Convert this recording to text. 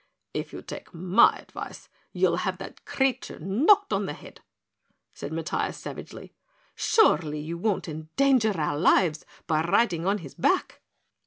"If you take my advice, you'll have that creature knocked on the head," said Matiah savagely. "Surely you won't endanger our lives by riding on his back?"